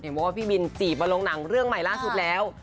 บอกว่าพี่บินจีบมาลงหนังเรื่องใหม่ล่าสุดแล้ว